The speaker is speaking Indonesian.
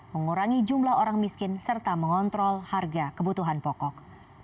mengurangi jumlah orang miskin serta mengontrol harga kebutuhan pokok